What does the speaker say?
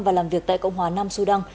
và làm việc tại cộng hòa nam sudan